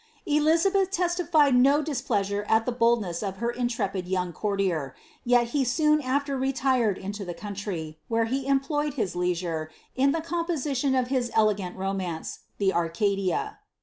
Elizabeth testified no displeasure at the boldness of her intrepid voung courtier, yet he soon after retired into the country, where he emploved his leisure in the composition of his elegant romance, the ^ Arcadia.'"